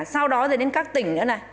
sau đó rồi đến các tỉnh nữa nè